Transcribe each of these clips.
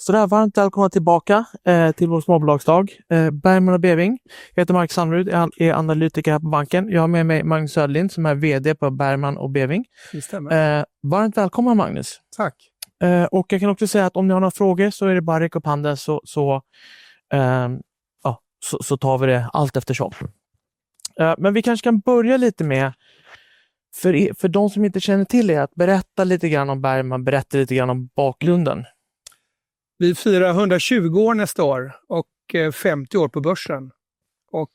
Så där, varmt välkomna tillbaka till vår småbolagsdag. Bergman & Beving. Jag heter Mark Sandlund, jag är analytiker här på banken. Jag har med mig Magnus Söderlind, som är VD på Bergman & Beving. Det stämmer. Varmt välkommen, Magnus. Tack. Och jag kan också säga att om ni har några frågor så är det bara att räcka upp handen, så tar vi det allt eftersom. Men vi kanske kan börja lite med, för de som inte känner till att berätta lite grann om Bergman, berätta lite grann om bakgrunden. Vi firar 120 år nästa år och 50 år på börsen.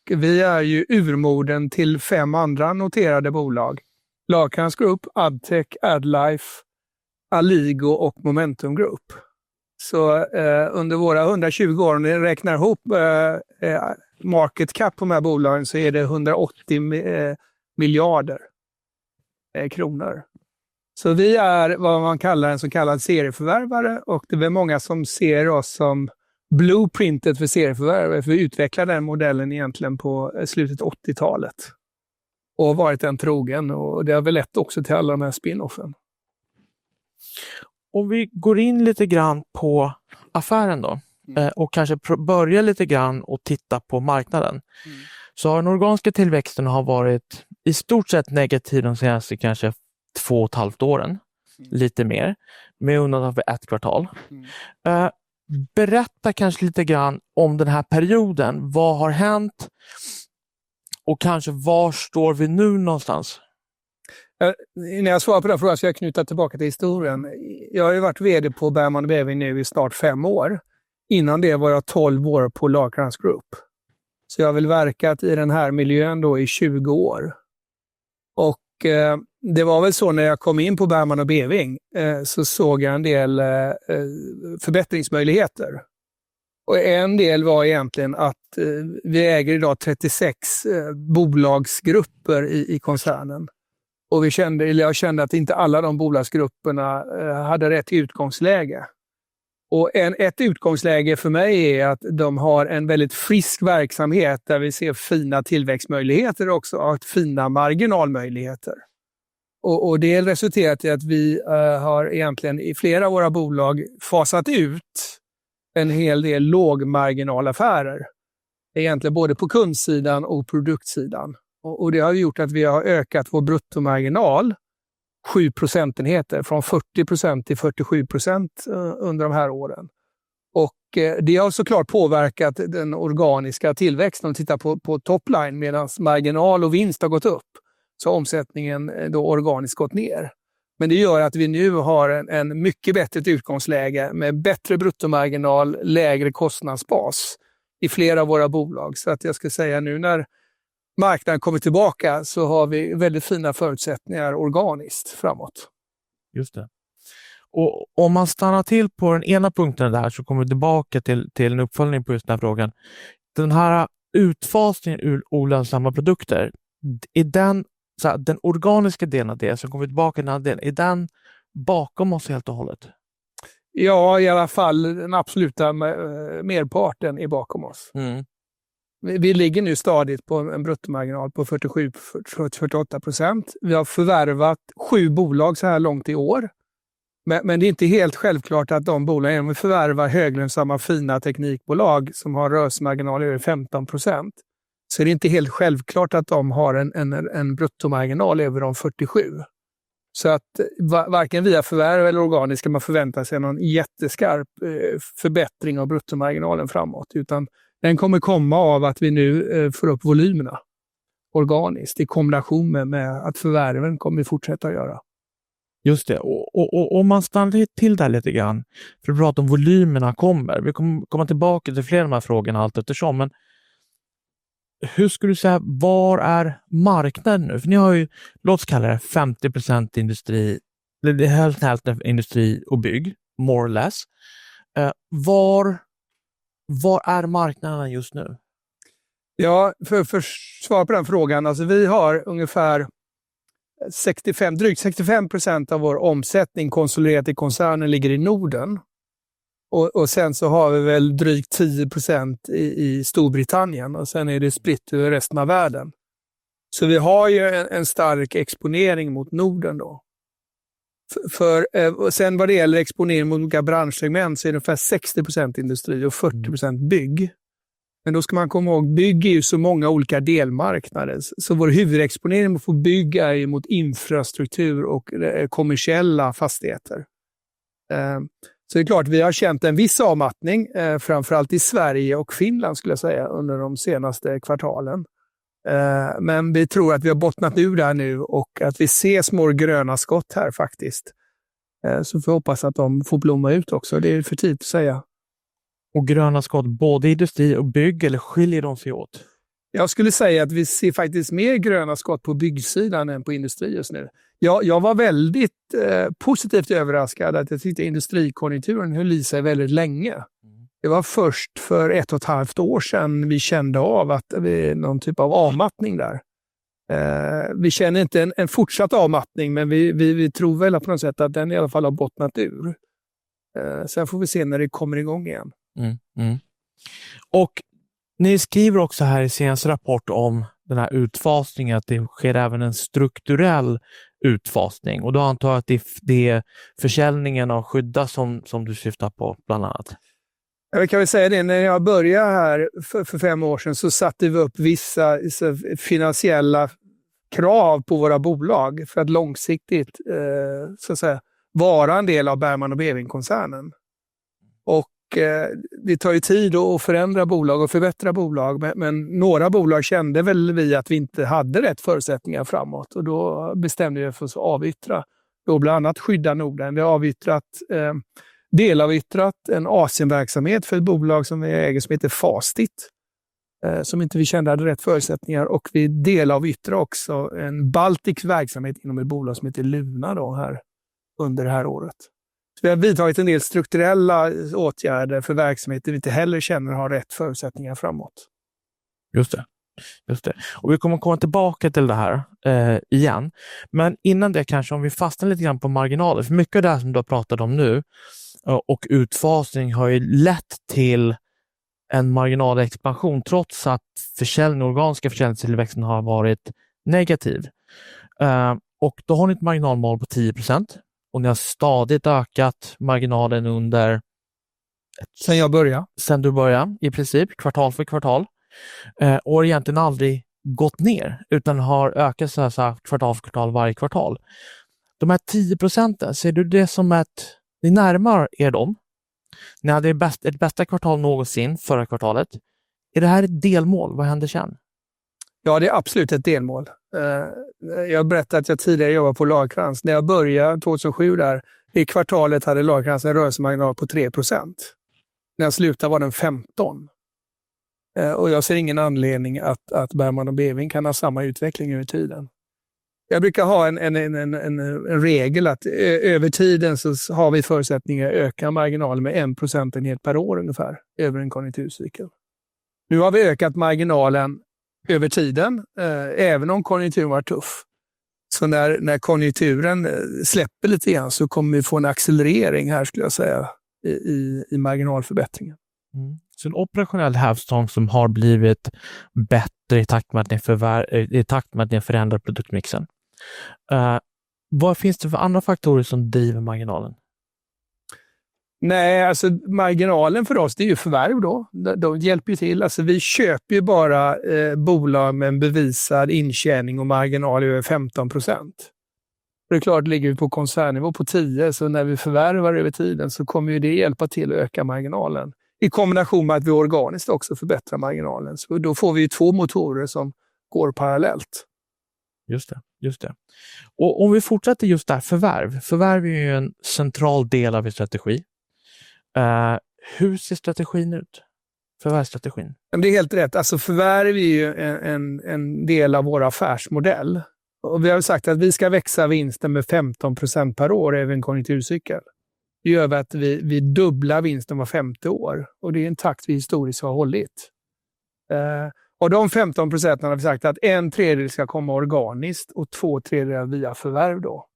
Vi är ju urmodern till fem andra noterade bolag: Lagkrans Group, Addtech, Adlife, Aligo och Momentum Group. Under våra 120 år, om ni räknar ihop market cap på de här bolagen, så är det 180 miljarder kronor. Vi är vad man kallar en så kallad serieförvärvare, och det är många som ser oss som blueprintet för serieförvärvare, för vi utvecklade den modellen egentligen på slutet av 80-talet och har varit den trogen, och det har väl lett också till alla de här spinoffen. Om vi går in lite grann på affären då, och kanske börjar lite grann och tittar på marknaden. Så den organiska tillväxten har varit i stort sett negativ de senaste kanske två och ett halvt åren, lite mer, med undantag för ett kvartal. Berätta kanske lite grann om den här perioden, vad har hänt och kanske var står vi nu någonstans? När jag svarar på den frågan ska jag knyta tillbaka till historien. Jag har ju varit VD på Bergman & Beving nu i snart fem år. Innan det var jag tolv år på Lagkrans Group. Så jag har väl verkat i den här miljön då i 20 år. När jag kom in på Bergman & Beving så såg jag en del förbättringsmöjligheter. En del var egentligen att vi äger idag 36 bolagsgrupper i koncernen. Jag kände att inte alla de bolagsgrupperna hade rätt utgångsläge. Ett utgångsläge för mig är att de har en väldigt frisk verksamhet där vi ser fina tillväxtmöjligheter också och fina marginalmöjligheter. Det har resulterat i att vi har egentligen i flera av våra bolag fasat ut en hel del lågmarginalaffärer. Egentligen både på kundsidan och produktsidan. Och det har ju gjort att vi har ökat vår bruttomarginal sju procentenheter från 40% till 47% under de här åren. Och det har såklart påverkat den organiska tillväxten. Om vi tittar på topline medan marginal och vinst har gått upp så har omsättningen då organiskt gått ner. Men det gör att vi nu har ett mycket bättre utgångsläge med bättre bruttomarginal, lägre kostnadsbas i flera av våra bolag. Så att jag skulle säga nu när marknaden kommer tillbaka så har vi väldigt fina förutsättningar organiskt framåt. Just det. Och om man stannar till på den ena punkten där så kommer vi tillbaka till en uppföljning på just den här frågan. Den här utfasningen ur olönsamma produkter, är den den organiska delen av det, så kommer vi tillbaka till den andra delen, är den bakom oss helt och hållet? Ja, i alla fall den absoluta merparten är bakom oss. Vi ligger nu stadigt på en bruttomarginal på 47-48%. Vi har förvärvat sju bolag så här långt i år. Men det är inte helt självklart att de bolagen, om vi förvärvar höglönsamma, fina teknikbolag som har rörelsemarginaler över 15%, så är det inte helt självklart att de har en bruttomarginal över de 47%. Så att varken via förvärv eller organisk ska man förvänta sig någon jätteskarp förbättring av bruttomarginalen framåt, utan den kommer komma av att vi nu får upp volymerna organiskt i kombination med att förvärven kommer vi fortsätta att göra. Just det. Och om man stannar till där lite grann, för att prata om volymerna kommer, vi kommer komma tillbaka till fler av de här frågorna allt eftersom. Men hur skulle du säga, var är marknaden nu? För ni har ju, låt oss kalla det 50% industri, eller helt industri och bygg, more or less. Var är marknaden just nu? Ja, för att svara på den frågan, alltså vi har ungefär drygt 65% av vår omsättning konsoliderat i koncernen ligger i Norden. Och sen så har vi väl drygt 10% i Storbritannien, och sen är det spritt över resten av världen. Så vi har ju en stark exponering mot Norden då. För sen vad det gäller exponering mot olika branschsegment så är det ungefär 60% industri och 40% bygg. Men då ska man komma ihåg, bygg är ju så många olika delmarknader, så vår huvudexponering mot att få bygga är ju mot infrastruktur och kommersiella fastigheter. Så det är klart att vi har känt en viss avmattning, framförallt i Sverige och Finland skulle jag säga, under de senaste kvartalen. Men vi tror att vi har bottnat ur det här nu och att vi ser små gröna skott här faktiskt. Så får vi hoppas att de får blomma ut också, det är för tidigt att säga. Och gröna skott både i industri och bygg, eller skiljer de sig åt? Jag skulle säga att vi ser faktiskt mer gröna skott på byggsidan än på industri just nu. Jag var väldigt positivt överraskad att jag tyckte att industrikonjunkturen höll i sig väldigt länge. Det var först för ett och ett halvt år sedan vi kände av att det är någon typ av avmattning där. Vi känner inte en fortsatt avmattning, men vi tror väl att på något sätt att den i alla fall har bottnat ur. Sen får vi se när det kommer igång igen. Och ni skriver också här i senaste rapporten om den här utfasningen, att det sker även en strukturell utfasning. Och då antar jag att det är försäljningen av Skydda som du syftar på bland annat. Ja, vi kan väl säga det. När jag började här för fem år sedan så satte vi upp vissa finansiella krav på våra bolag för att långsiktigt så att säga vara en del av Bergman & Beving-koncernen. Det tar ju tid att förändra bolag och förbättra bolag, men några bolag kände vi att vi inte hade rätt förutsättningar framåt, och då bestämde vi oss för att avyttra. Då bland annat Skydda Norden, vi har avyttrat, delavyttrat en Asienverksamhet för ett bolag som vi äger som heter Facit, som inte vi kände hade rätt förutsättningar, och vi delavyttra också en Balticsverksamhet inom ett bolag som heter Luna här under det här året. Vi har vidtagit en del strukturella åtgärder för verksamheter vi inte heller känner har rätt förutsättningar framåt. Just det, just det. Och vi kommer komma tillbaka till det här igen. Men innan det kanske om vi fastnar lite grann på marginaler, för mycket av det här som du har pratat om nu och utfasning har ju lett till en marginalexpansion trots att försäljning, organiska försäljningstillväxten har varit negativ. Och då har ni ett marginalmål på 10%, och ni har stadigt ökat marginalen under. Sen jag började. Sen du började, i princip, kvartal för kvartal. Och egentligen aldrig gått ner, utan har ökat så här kvartal för kvartal, varje kvartal. De här 10%, ser du det som att ni närmar dem? Ni hade ett bästa kvartal någonsin, förra kvartalet. Är det här ett delmål? Vad händer sen? Ja, det är absolut ett delmål. Jag berättade att jag tidigare jobbade på Lagkrans. När jag började 2007 där, i kvartalet hade Lagkrans en rörelsemarginal på 3%. När jag slutade var den 15%. Jag ser ingen anledning att Bergman & Beving inte kan ha samma utveckling över tiden. Jag brukar ha en regel att över tiden så har vi förutsättningar att öka marginalen med en procentenhet per år ungefär, över en konjunkturcykel. Nu har vi ökat marginalen över tiden, även om konjunkturen var tuff. När konjunkturen släpper lite grann så kommer vi få en accelerering här skulle jag säga, i marginalförbättringen. Så en operationell hävstång som har blivit bättre i takt med att ni förändrar produktmixen. Vad finns det för andra faktorer som driver marginalen? Nej, alltså marginalen för oss, det är ju förvärv då. De hjälper ju till. Vi köper ju bara bolag med en bevisad intjäning och marginal över 15%. Det är klart att det ligger vi på koncernnivå på 10%, så när vi förvärvar över tiden så kommer ju det hjälpa till att öka marginalen. I kombination med att vi organiskt också förbättrar marginalen. Då får vi ju två motorer som går parallellt. Just det, just det. Och om vi fortsätter just där, förvärv. Förvärv är ju en central del av strategin. Hur ser strategin ut? Förvärvsstrategin. Det är helt rätt. Alltså förvärv är ju en del av vår affärsmodell. Och vi har ju sagt att vi ska växa vinsten med 15% per år över en konjunkturcykel. Det gör vi att vi dubblar vinsten var femte år. Och det är en takt vi historiskt har hållit. Och de 15% har vi sagt att en tredjedel ska komma organiskt och två tredjedelar via förvärv då.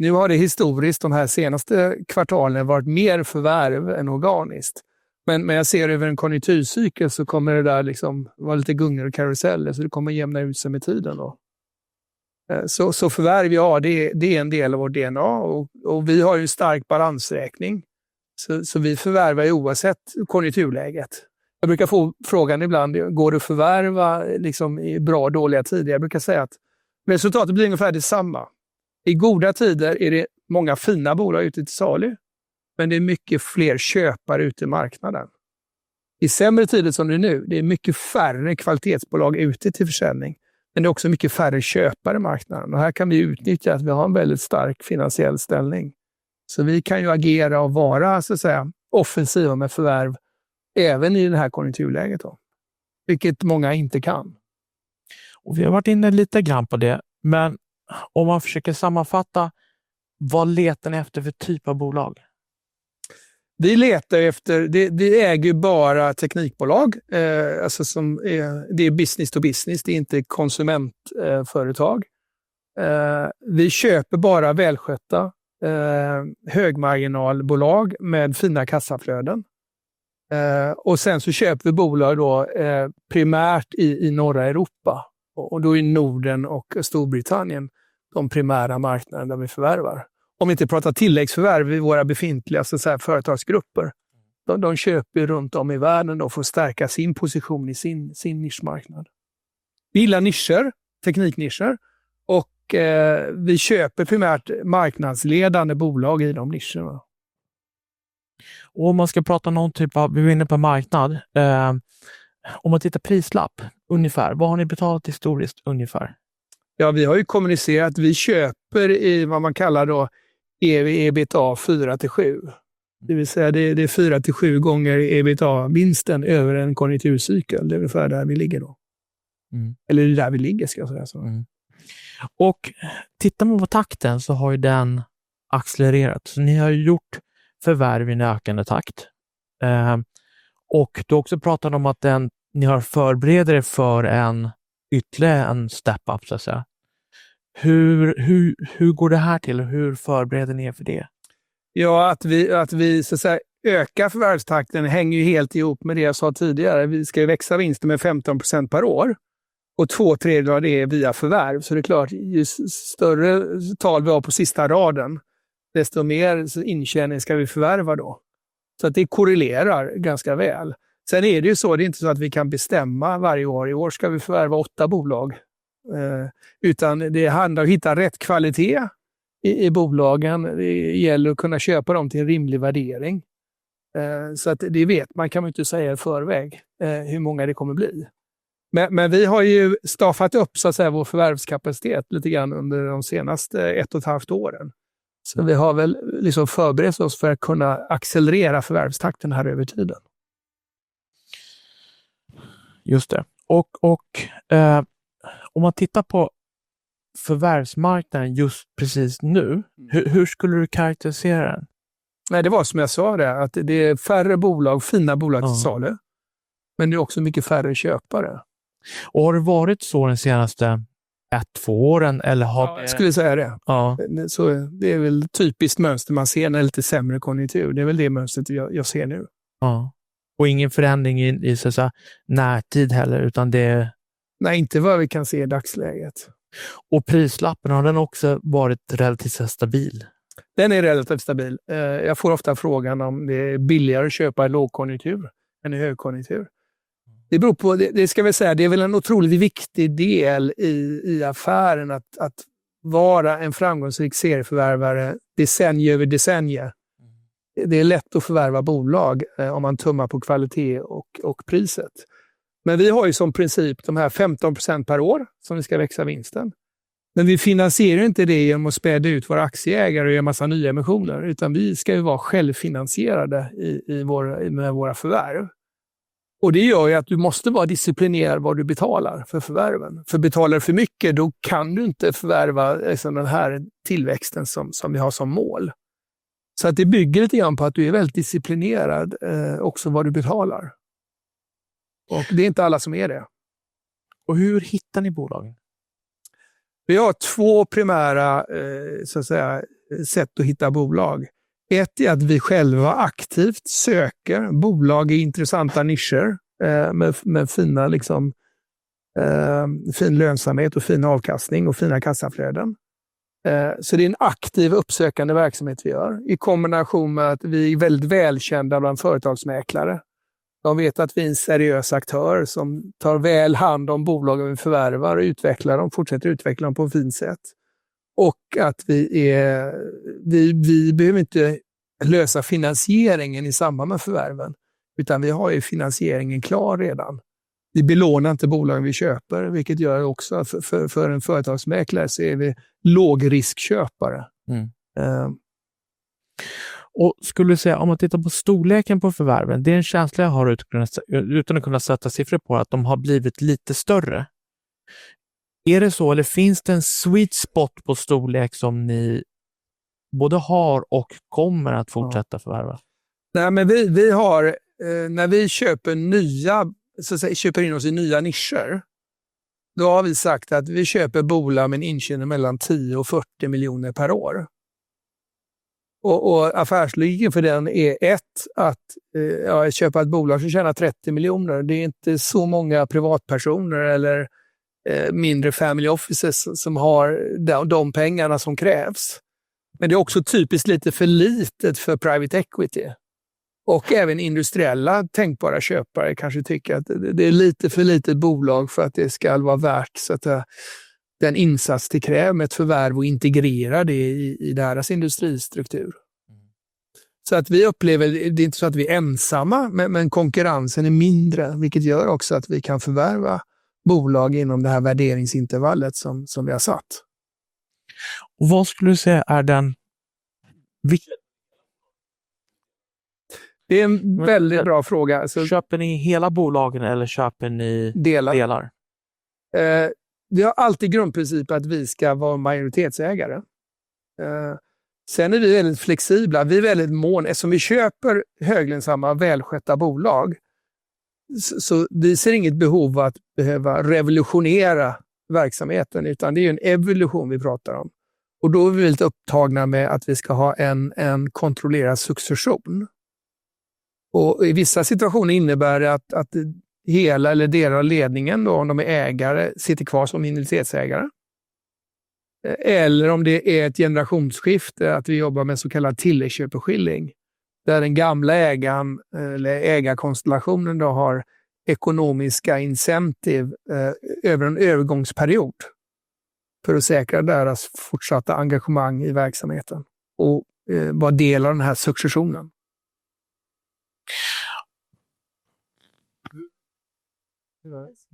Nu har det historiskt de här senaste kvartalen varit mer förvärv än organiskt. Men jag ser över en konjunkturcykel så kommer det där liksom vara lite gungor och karuseller, så det kommer jämna ut sig med tiden då. Så förvärv, ja, det är en del av vårt DNA. Och vi har ju en stark balansräkning. Så vi förvärvar ju oavsett konjunkturläget. Jag brukar få frågan ibland, går det att förvärva i bra och dåliga tider? Jag brukar säga att resultatet blir ungefär detsamma. I goda tider är det många fina bolag ute till salu, men det är mycket fler köpare ute i marknaden. I sämre tider som det är nu, det är mycket färre kvalitetsbolag ute till försäljning, men det är också mycket färre köpare i marknaden. Här kan vi utnyttja att vi har en väldigt stark finansiell ställning. Vi kan ju agera och vara offensiva med förvärv, även i det här konjunkturläget då, vilket många inte kan. Och vi har varit inne lite grann på det, men om man försöker sammanfatta, vad letar ni efter för typ av bolag? Vi letar ju efter, vi äger ju bara teknikbolag. Alltså som är, det är business to business, det är inte konsumentföretag. Vi köper bara välskötta, högmarginalbolag med fina kassaflöden. Och sen så köper vi bolag då primärt i norra Europa. Och då är Norden och Storbritannien de primära marknaderna där vi förvärvar. Om vi inte pratar tilläggsförvärv i våra befintliga företagsgrupper. De köper ju runt om i världen och får stärka sin position i sin nischmarknad. Vi gillar nischer, tekniknischer. Och vi köper primärt marknadsledande bolag i de nischerna. Och om man ska prata någon typ av, vi var inne på marknad. Om man tittar prislapp, ungefär, vad har ni betalat historiskt, ungefär? Ja, vi har ju kommunicerat att vi köper i vad man kallar då EBITDA 4 till 7. Det vill säga, det är 4 till 7 gånger EBITDA-vinsten över en konjunkturcykel. Det är ungefär där vi ligger då. Eller det är där vi ligger, ska jag säga. Och tittar man på takten så har ju den accelererat. Så ni har ju gjort förvärv i en ökande takt, och då också pratar ni om att ni har förberett för en ytterligare en step up, så att säga. Hur går det här till? Hur förbereder ni för det? Ja, att vi så att säga ökar förvärvstakten hänger ju helt ihop med det jag sa tidigare. Vi ska ju växa vinsten med 15% per år. Två tredjedelar av det är via förvärv. Det är klart, ju större tal vi har på sista raden, desto mer intjäning ska vi förvärva då. Det korrelerar ganska väl. Sen är det ju så, det är inte så att vi kan bestämma varje år, i år ska vi förvärva åtta bolag, utan det handlar om att hitta rätt kvalitet i bolagen. Det gäller att kunna köpa dem till en rimlig värdering. Det vet man kan man ju inte säga i förväg, hur många det kommer bli. Men vi har ju stafat upp så att säga vår förvärvskapacitet lite grann under de senaste ett och ett halvt åren. Så vi har väl liksom förberett oss för att kunna accelerera förvärvstakten här över tiden. Just det. Och om man tittar på förvärvsmarknaden just precis nu, hur skulle du karaktärisera den? Nej, det var som jag sa det, att det är färre bolag, fina bolag till salu, men det är också mycket färre köpare. Och har det varit så de senaste ett, två åren, eller har... Skulle jag säga det. Ja, så det är väl typiskt mönster man ser när det är lite sämre konjunktur. Det är väl det mönstret jag ser nu. Ja, och ingen förändring i närtid heller, utan det... Nej, inte vad vi kan se i dagsläget. Och prislappen har den också varit relativt stabil? Den är relativt stabil. Jag får ofta frågan om det är billigare att köpa i lågkonjunktur än i högkonjunktur. Det beror på, det ska vi säga, det är väl en otroligt viktig del i affären att vara en framgångsrik serieförvärvare decennier över decennier. Det är lätt att förvärva bolag om man tummar på kvalitet och priset. Men vi har ju som princip de här 15% per år som vi ska växa vinsten. Men vi finansierar inte det genom att späda ut våra aktieägare och göra massa nyemissioner, utan vi ska ju vara självfinansierade i våra förvärv. Det gör ju att du måste vara disciplinerad vad du betalar för förvärven. För betalar du för mycket, då kan du inte förvärva den här tillväxten som vi har som mål. Så det bygger lite grann på att du är väldigt disciplinerad också vad du betalar. Och det är inte alla som är det. Och hur hittar ni bolagen? Vi har två primära så att säga sätt att hitta bolag. Ett är att vi själva aktivt söker bolag i intressanta nischer, med fin lönsamhet och fin avkastning och fina kassaflöden. Det är en aktiv uppsökande verksamhet vi gör, i kombination med att vi är väldigt välkända bland företagsmäklare. De vet att vi är en seriös aktör som tar väl hand om bolagen vi förvärvar och utvecklar dem, fortsätter utveckla dem på ett fint sätt. Vi behöver inte lösa finansieringen i samband med förvärven, utan vi har ju finansieringen klar redan. Vi belånar inte bolagen vi köper, vilket gör också att för en företagsmäklare så är vi lågriskköpare. Och skulle du säga, om man tittar på storleken på förvärven, det är en känsla jag har utan att kunna sätta siffror på, att de har blivit lite större. Är det så, eller finns det en sweet spot på storlek som ni både har och kommer att fortsätta förvärva? Nej, men vi har, när vi köper nya, så att säga, köper in oss i nya nischer, då har vi sagt att vi köper bolag med en intjäning mellan 10 och 40 miljoner per år. Affärslycken för den är ett, att köpa ett bolag som tjänar 30 miljoner, det är inte så många privatpersoner eller mindre family offices som har de pengarna som krävs. Men det är också typiskt lite för litet för private equity. Även industriella tänkbara köpare kanske tycker att det är lite för litet bolag för att det ska vara värt så att säga den insats det kräver med ett förvärv och integrera det i deras industristruktur. Vi upplever, det är inte så att vi är ensamma, men konkurrensen är mindre, vilket gör också att vi kan förvärva bolag inom det här värderingsintervallet som vi har satt. Och vad skulle du säga är den... Det är en väldigt bra fråga. Köper ni hela bolagen eller köper ni delar? Vi har alltid grundprincipen att vi ska vara majoritetsägare. Sen är vi väldigt flexibla, vi är väldigt måna om, eftersom vi köper höglönsamma, välskötta bolag, så vi ser inget behov av att behöva revolutionera verksamheten, utan det är ju en evolution vi pratar om. Och då är vi väldigt upptagna med att vi ska ha en kontrollerad succession. Och i vissa situationer innebär det att hela eller delar av ledningen, då om de är ägare, sitter kvar som minoritetsägare. Eller om det är ett generationsskifte, att vi jobbar med så kallad tilläggsköpeskilling, där den gamla ägarkonstellationen då har ekonomiska incitament över en övergångsperiod för att säkra deras fortsatta engagemang i verksamheten och vara del av den här successionen.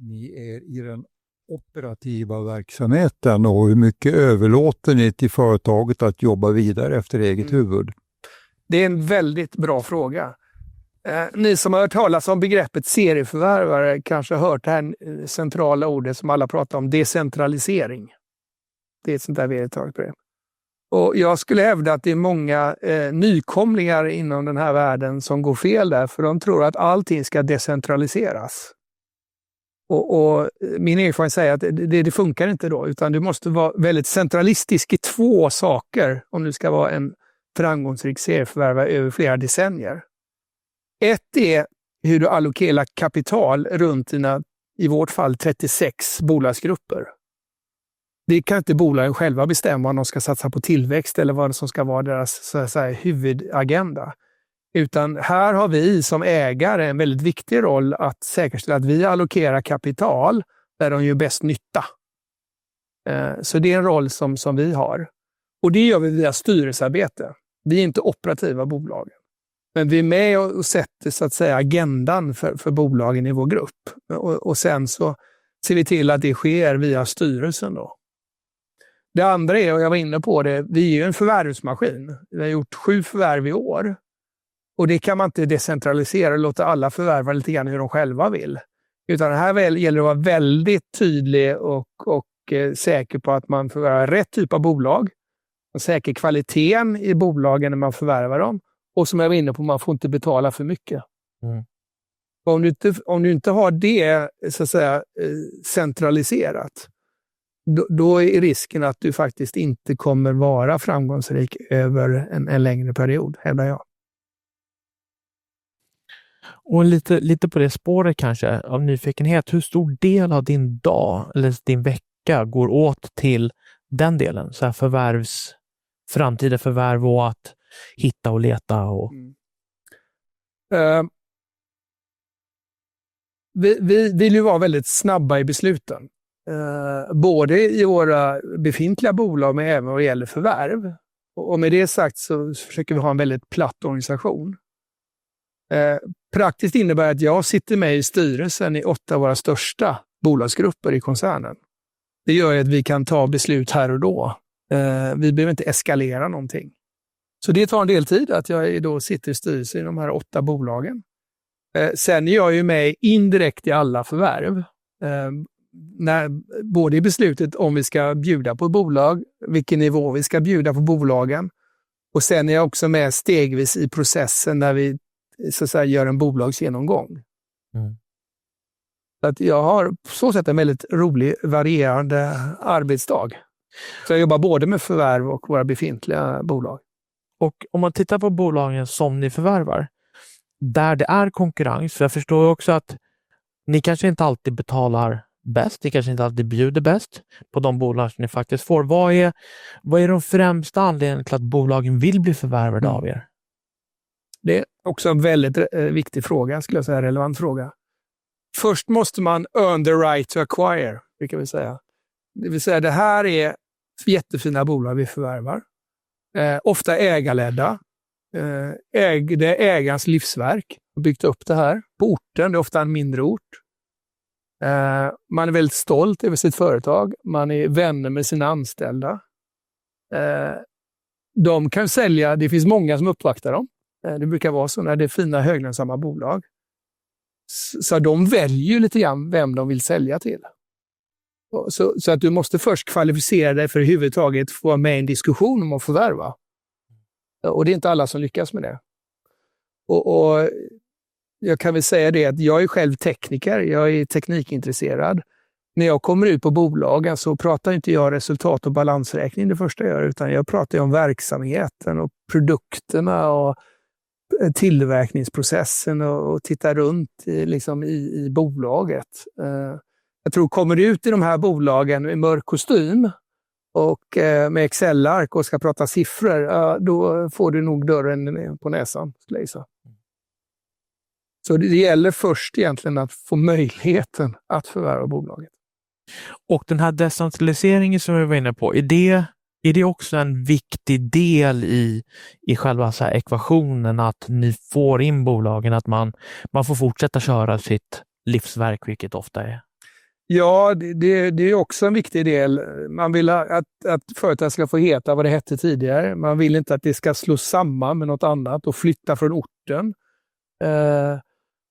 Ni är i den operativa verksamheten och hur mycket överlåter ni till företaget att jobba vidare efter eget huvud? Det är en väldigt bra fråga. Ni som har hört talas om begreppet serieförvärvare kanske har hört det här centrala ordet som alla pratar om, decentralisering. Det är ett sånt där vedertaget begrepp. Jag skulle hävda att det är många nykomlingar inom den här världen som går fel där, för de tror att allting ska decentraliseras. Min erfarenhet säger att det funkar inte då, utan du måste vara väldigt centralistisk i två saker om du ska vara en framgångsrik serieförvärvare över flera decennier. Ett är hur du allokerar kapital runt dina, i vårt fall, 36 bolagsgrupper. Det kan inte bolagen själva bestämma vad de ska satsa på tillväxt eller vad som ska vara deras huvudagenda. Här har vi som ägare en väldigt viktig roll att säkerställa att vi allokerar kapital där de gör bäst nytta. Det är en roll som vi har. Och det gör vi via styrelsearbete. Vi är inte operativa bolag. Men vi är med och sätter så att säga agendan för bolagen i vår grupp. Och sen så ser vi till att det sker via styrelsen då. Det andra är, och jag var inne på det, vi är ju en förvärvsmaskin. Vi har gjort sju förvärv i år. Och det kan man inte decentralisera och låta alla förvärva lite grann hur de själva vill. Utan här gäller det att vara väldigt tydlig och säker på att man förvärvar rätt typ av bolag. Man säkrar kvaliteten i bolagen när man förvärvar dem. Och som jag var inne på, man får inte betala för mycket. Och om du inte har det så att säga centraliserat, då är risken att du faktiskt inte kommer vara framgångsrik över en längre period, hävdar jag. Och lite på det spåret kanske, av nyfikenhet, hur stor del av din dag eller din vecka går åt till den delen, så här förvärv, framtida förvärv och att hitta och leta och... Vi vill ju vara väldigt snabba i besluten. Både i våra befintliga bolag men även vad det gäller förvärv. Med det sagt så försöker vi ha en väldigt platt organisation. Praktiskt innebär det att jag sitter med i styrelsen i åtta av våra största bolagsgrupper i koncernen. Det gör att vi kan ta beslut här och då. Vi behöver inte eskalera någonting. Det tar en del tid att jag sitter i styrelsen i de här åtta bolagen. Sen är jag med indirekt i alla förvärv. Både i beslutet om vi ska bjuda på bolag, vilken nivå vi ska bjuda på bolagen. Sen är jag också med stegvis i processen när vi gör en bolagsgenomgång. Jag har på så sätt en väldigt rolig, varierande arbetsdag. Jag jobbar både med förvärv och våra befintliga bolag. Och om man tittar på bolagen som ni förvärvar, där det är konkurrens, för jag förstår ju också att ni kanske inte alltid betalar bäst, ni kanske inte alltid bjuder bäst på de bolag som ni faktiskt får. Vad är de främsta anledningarna till att bolagen vill bli förvärvade av Det är också en väldigt viktig fråga, skulle jag säga, en relevant fråga. Först måste man earn the right to acquire, brukar vi säga. Det vill säga, det här är jättefina bolag vi förvärvar, ofta ägarledda. Det är ägarens livsverk. Byggt upp det här på orten, det är ofta en mindre ort. Man är väldigt stolt över sitt företag, man är vänner med sina anställda. De kan ju sälja, det finns många som uppvaktar dem. Det brukar vara så när det är fina höglönsamma bolag. Så de väljer ju lite grann vem de vill sälja till. Så att du måste först kvalificera dig för huvudtaget att få vara med i en diskussion om att förvärva. Det är inte alla som lyckas med det. Jag kan väl säga det, att jag är själv tekniker, jag är teknikintresserad. När jag kommer ut på bolagen så pratar ju inte jag resultat och balansräkning det första jag gör, utan jag pratar ju om verksamheten och produkterna och tillverkningsprocessen och tittar runt i bolaget. Jag tror kommer du ut i de här bolagen i mörk kostym och med Excelark och ska prata siffror, då får du nog dörren på näsan, skulle jag gissa. Så det gäller först egentligen att få möjligheten att förvärva bolaget. Och den här decentraliseringen som vi var inne på, är det också en viktig del i själva ekvationen att ni får in bolagen, att man får fortsätta köra sitt livsverk, vilket ofta är... Ja, det är ju också en viktig del. Man vill att företaget ska få heta vad det hette tidigare. Man vill inte att det ska slås samman med något annat och flytta från orten.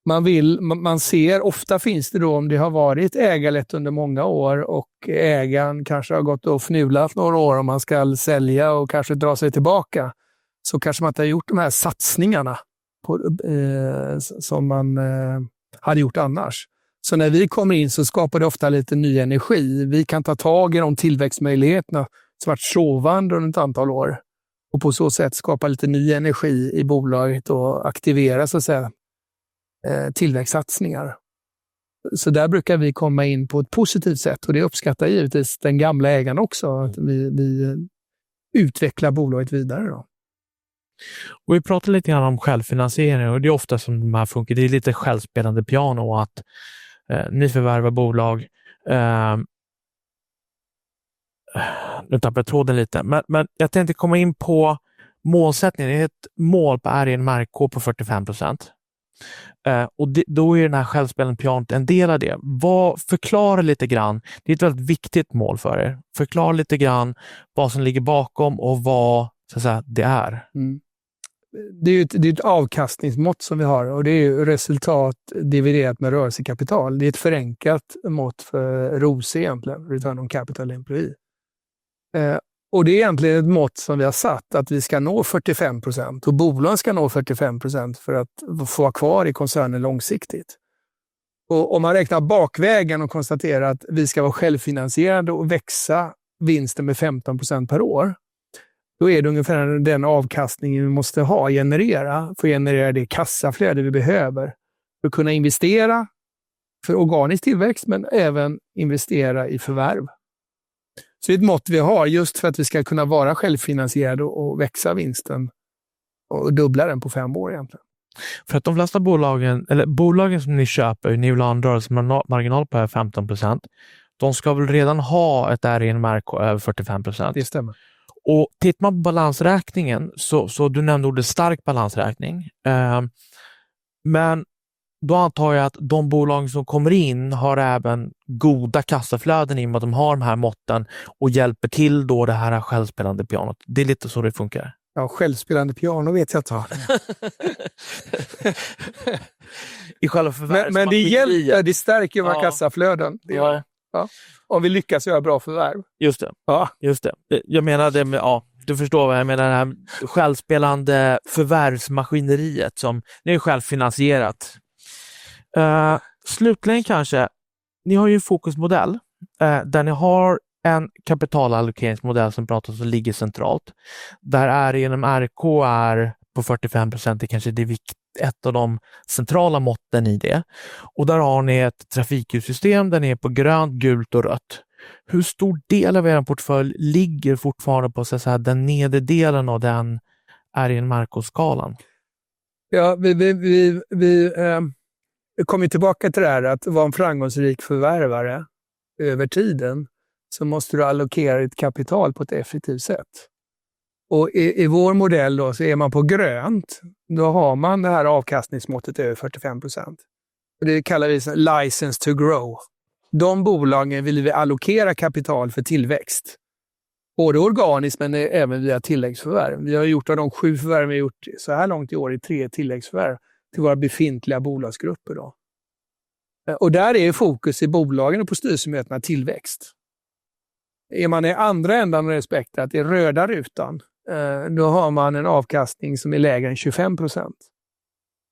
Man vill, man ser ofta finns det då, om det har varit ägarlett under många år och ägaren kanske har gått och fnulat några år om man ska sälja och kanske dra sig tillbaka, så kanske man inte har gjort de här satsningarna på som man hade gjort annars. Så när vi kommer in så skapar det ofta lite ny energi. Vi kan ta tag i de tillväxtmöjligheterna som har varit sovande under ett antal år och på så sätt skapa lite ny energi i bolaget och aktivera så att säga tillväxtsatsningar. Så där brukar vi komma in på ett positivt sätt och det uppskattar givetvis den gamla ägaren också, att vi utvecklar bolaget vidare då. Och vi pratar lite grann om självfinansiering och det är ofta som de här funkar, det är lite självspelande piano och att ni förvärvar bolag. Nu tappar jag tråden lite, men jag tänkte komma in på målsättningen. Ett mål på RENRK på 45%. Och då är ju den här självspelande piano en del av det. Vad förklarar lite grann, det är ett väldigt viktigt mål för förklara lite grann vad som ligger bakom och vad så att säga det är. Det är ju ett avkastningsmått som vi har och det är ju resultat dividerat med rörelsekapital. Det är ett förenklat mått för ROCE egentligen, Return on Capital Employed. Det är egentligen ett mått som vi har satt, att vi ska nå 45% och bolagen ska nå 45% för att få vara kvar i koncernen långsiktigt. Om man räknar bakvägen och konstaterar att vi ska vara självfinansierande och växa vinsten med 15% per år, då är det ungefär den avkastningen vi måste ha generera, för att generera det kassaflöde vi behöver för att kunna investera för organisk tillväxt, men även investera i förvärv. Det är ett mått vi har just för att vi ska kunna vara självfinansierade och växa vinsten och dubbla den på fem år egentligen. För att de flesta bolagen, eller bolagen som ni köper, ni vill ha en bruttomarginal på här 15%, de ska väl redan ha ett ROIC över 45%? Det stämmer. Och tittar man på balansräkningen, så du nämnde ordet stark balansräkning. Men då antar jag att de bolagen som kommer in har även goda kassaflöden i och med att de har de här måtten och hjälper till då det här självspelande pianot. Det är lite så det funkar. Ja, självspelande piano vet jag inte ha i själva förvärvet. Men det hjälper, det stärker våra kassaflöden. Det gör det. Om vi lyckas göra bra förvärv. Just det. Ja, just det. Jag menar, det med, ja, du förstår vad jag menar, det här självspelande förvärvsmaskineriet som ni är självfinansierat. Slutligen kanske, ni har ju en fokusmodell där ni har en kapitalallokeringsmodell som pratas om som ligger centralt. Där RENRK är på 45%, det kanske är ett av de centrala måtten i det. Och där har ni ett trafiksystem där ni är på grönt, gult och rött. Hur stor del av portföljen ligger fortfarande på så att säga den nedre delen av den RENRK-skalan? Ja, vi kommer ju tillbaka till det här att vara en framgångsrik förvärvare över tiden, så måste du allokera ditt kapital på ett effektivt sätt. Och i vår modell då så är man på grönt, då har man det här avkastningsmåttet över 45%. Och det kallar vi så här license to grow. De bolagen vill vi allokera kapital för tillväxt. Både organisk, men även via tilläggsförvärv. Vi har gjort av de sju förvärv vi har gjort så här långt i år i tre tilläggsförvärv till våra befintliga bolagsgrupper då. Och där är ju fokus i bolagen och på styrelsemötena tillväxt. Är man i andra ändan av spektret att det är röda rutan, då har man en avkastning som är lägre än 25%.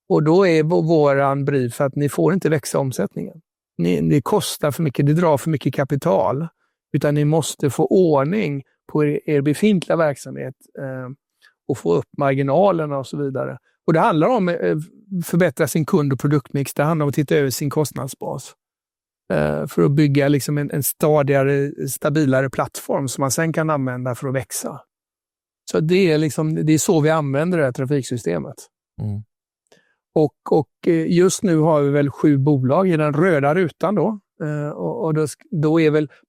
Och då är vår brief att ni får inte växa omsättningen. Det kostar för mycket, det drar för mycket kapital. Utan ni måste få ordning på befintliga verksamhet och få upp marginalerna och så vidare. Det handlar om att förbättra sin kund- och produktmix. Det handlar om att titta över sin kostnadsbas för att bygga en stadigare, stabilare plattform som man sen kan använda för att växa. Så det är så vi använder det här trafiksystemet. Just nu har vi sju bolag i den röda rutan då, och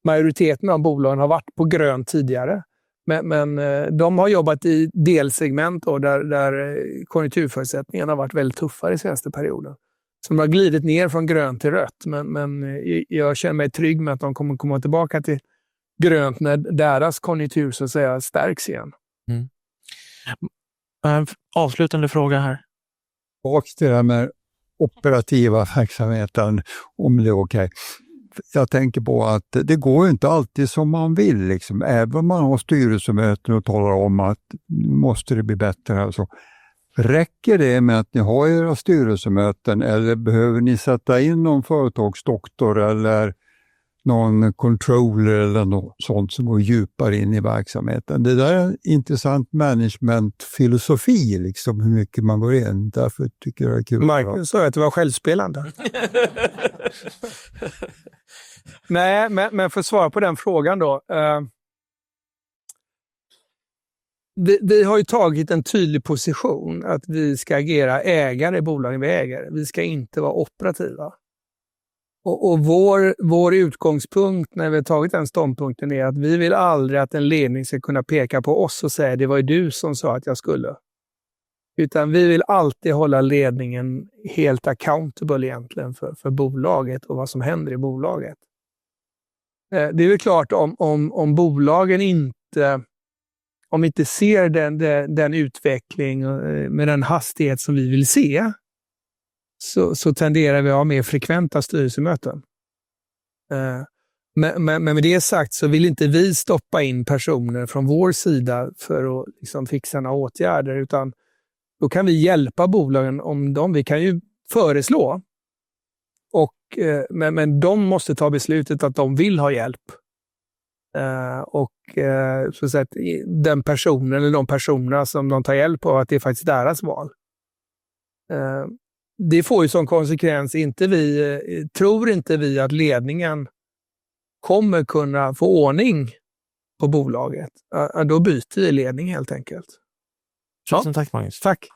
majoriteten av bolagen har varit på grönt tidigare. Men de har jobbat i delsegment där konjunkturförutsättningarna har varit väldigt tuffa i senaste perioden. Så de har glidit ner från grönt till rött, men jag känner mig trygg med att de kommer komma tillbaka till grönt när deras konjunktur så att säga stärks igen. En avslutande fråga här. Bak till det här med operativa verksamheten, om det är okej. Jag tänker på att det går ju inte alltid som man vill, liksom. Även om man har styrelsemöten och talar om att nu måste det bli bättre här och så. Räcker det med att ni har era styrelsemöten eller behöver ni sätta in någon företagsdoktor eller någon controller eller något sånt som går djupare in i verksamheten? Det där är en intressant managementfilosofi, liksom hur mycket man går in. Därför tycker jag det är kul. Markus sa ju att det var självspelande. Nej, men för att svara på den frågan då. Vi har ju tagit en tydlig position att vi ska agera ägare i bolagen vi äger. Vi ska inte vara operativa. Vår utgångspunkt när vi har tagit den ståndpunkten är att vi vill aldrig att en ledning ska kunna peka på oss och säga att det var ju du som sa att jag skulle. Utan vi vill alltid hålla ledningen helt accountable egentligen för bolaget och vad som händer i bolaget. Det är ju klart om bolagen inte, om vi inte ser den utveckling med den hastighet som vi vill se, så tenderar vi att ha mer frekventa styrelsemöten. Men med det sagt så vill inte vi stoppa in personer från vår sida för att liksom fixa några åtgärder, utan då kan vi hjälpa bolagen om de, vi kan ju föreslå. Och men de måste ta beslutet att de vill ha hjälp. Och så att säga att den personen eller de personerna som de tar hjälp av, att det är faktiskt deras val. Det får ju som konsekvens, inte vi, tror inte vi att ledningen kommer kunna få ordning på bolaget. Då byter vi ledning helt enkelt. Tusen tack, Magnus. Tack.